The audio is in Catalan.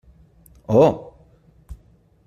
Oh.